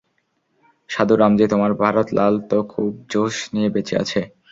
সাধু রামজি, তোমার ভারত লাল তো খুব জোশ নিয়ে বেঁচে আছে।